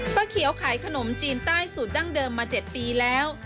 เขียวขายขนมจีนใต้สูตรดั้งเดิมมา๗ปีแล้ว